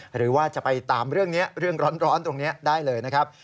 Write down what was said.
หรือว่าจะไปตามเรื่องร้อนตรงนี้ได้เลยนะครับ